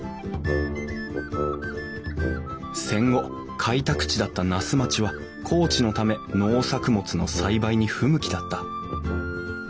戦後開拓地だった那須町は高地のため農作物の栽培に不向きだった。